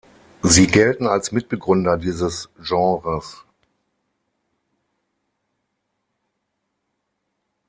Sie gelten als Mitbegründer dieses Genres.